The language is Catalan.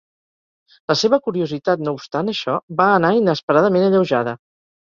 La seva curiositat, no obstant això, va anar inesperadament alleujada.